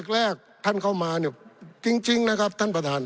แรกท่านเข้ามาเนี่ยจริงนะครับท่านประธาน